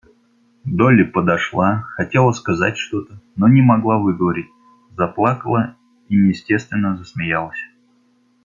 Долли подошла, хотела сказать что-то, но не могла выговорить, заплакала и неестественно засмеялась.